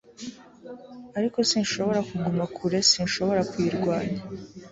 ariko sinshobora kuguma kure, sinshobora kuyirwanya